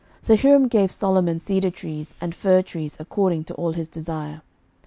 11:005:010 So Hiram gave Solomon cedar trees and fir trees according to all his desire.